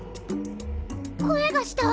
声がした！